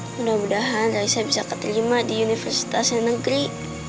mudah mudahan raisa bisa keterima di universitas senegeri